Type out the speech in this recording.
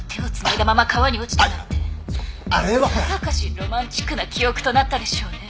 ロマンチックな記憶となったでしょうね。